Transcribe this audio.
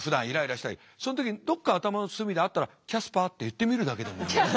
その時にどっか頭の隅であったらキャスパーって言ってみるだけでもいい。